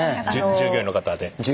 従業員の方？